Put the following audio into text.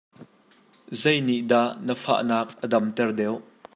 Zei nih dah na fahnak a damter deuh?